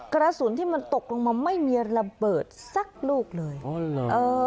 กระสุนที่มันตกลงมาไม่มีระเบิดสักลูกเลยอ๋อเหรอเออ